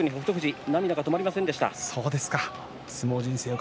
涙が止まりませんでした。